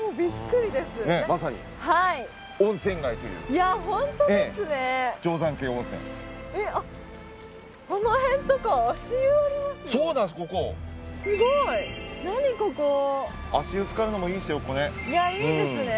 いやいいですね